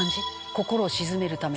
心を静めるため」